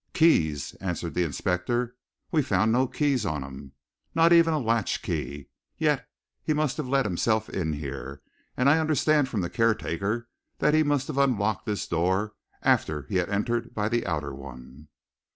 "Keys," answered the inspector. "We found no keys on him not even a latch key. Yet he must have let himself in here, and I understand from the caretaker that he must have unlocked this door after he'd entered by the outer one."